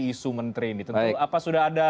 isu menteri ini tentu apa sudah ada